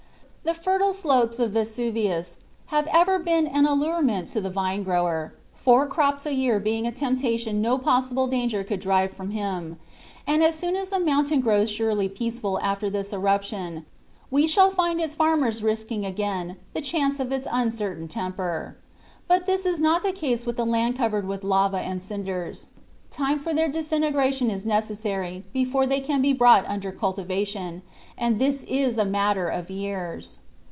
The fertile slopes of Vesuvius have ever been an allurement to the vine grower, four crops a year being a temptation no possible danger could drive him from, and as soon as the mountain grows surely peaceful after this eruption, we shall find its farmers risking again the chance of its uncertain temper. But this is not the case with the land covered with lava and cinders. Time for their disintegration is necessary before they can be brought under cultivation, and this is a matter of years.